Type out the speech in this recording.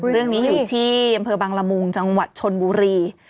เรื่องนี้อยู่ที่อำเภอบังละมุงจังหวัดชนบุรี